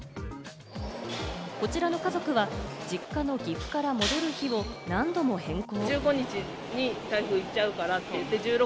こちらの家族は実家の岐阜から戻る日を何度も変更。